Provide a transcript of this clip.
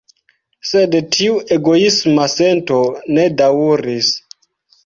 Sed tiu egoisma sento ne daŭris.